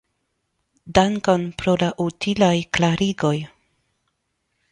Dankon pro la utilaj klarigoj.